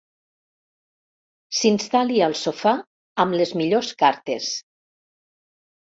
S'instal·li al sofà amb les millors cartes.